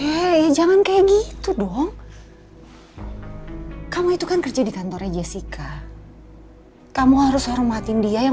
hey jangan kayak gitu dong kamu itu kan kerja di kantornya jessica kamu harus hormatin dia yang